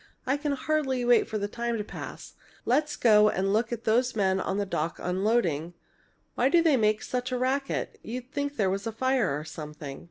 I can hardly wait for the time to pass! Let's go and look at those men on the dock unloading. Why do they make such a racket? You'd think there was a fire or something!"